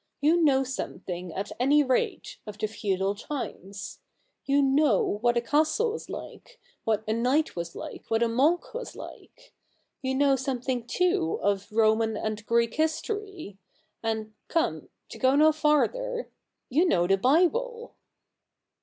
You know something, at any rate, of the feudal times. You know what a castle was like, what a knight was like, what a monk was like. You know something, too, of Roman and Greek history: and, come — to go no farther — you know the Bible.'